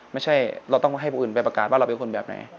ไม่ใช่เราต้องให้ผู้อื่นไปประกาศว่าเราเป็นคนแบบไหน